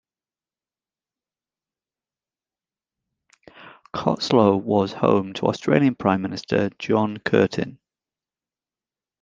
Cottesloe was home to Australian Prime Minister John Curtin.